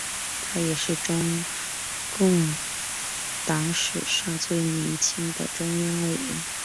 他也是中共党史上最年轻的中央委员。